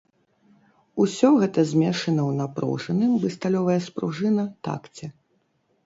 Усё гэта змешана ў напружаным, бы сталёвая спружына, такце.